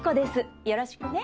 よろしくね。